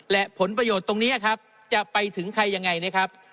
และผลประโยชน์ตรงนี้ครับจะไปถึงใครยังไงนะครับ